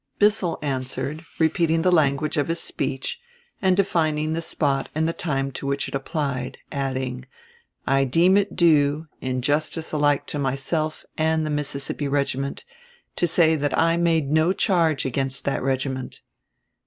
Bissell answered, repeating the language of his speech and defining the spot and the time to which it applied, adding: "I deem it due, in justice alike to myself and the Mississippi regiment, to say that I made no charge against that regiment."